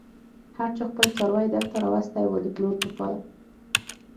هر چا خپل څاری دلته راوستی و د پلور لپاره.